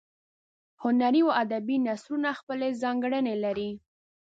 هنري او ادبي نثرونه خپلې ځانګړنې لري.